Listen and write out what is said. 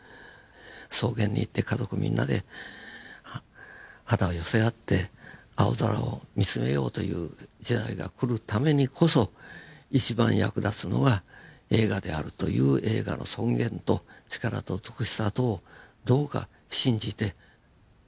草原に行って家族みんなで肌を寄せ合って青空を見つめようという時代が来るためにこそ一番役立つのは映画であるという映画の尊厳と力と美しさとをどうか信じて。